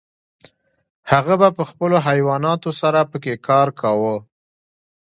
هغه به په خپلو حیواناتو سره پکې کار کاوه.